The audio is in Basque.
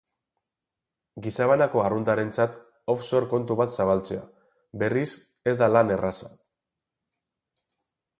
Gizabanako arruntarentzat off-shore kontu bat zabaltzea, berriz, ez da lan erraza.